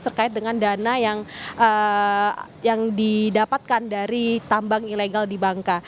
terkait dengan dana yang didapatkan dari tambang ilegal di bangka